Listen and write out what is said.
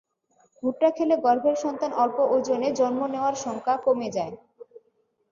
ভুট্টা খেলে গর্ভের সন্তান অল্প ওজনে জন্ম নেওয়ার শঙ্কা কমে যায়।